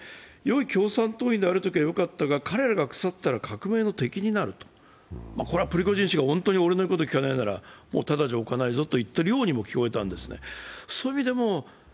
よい共産党員であるときはよかったが、彼らが腐ったら革命の敵になると、プリゴジン氏が本当に俺の言うことをきかないのならたたじゃおかないぞと言ってるようにも聞こえたんですね。